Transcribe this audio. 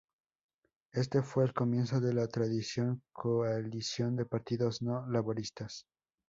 Este fue el comienzo de la tradicional coalición de partidos no laboristas.